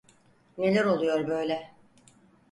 Neler oluyor böyle?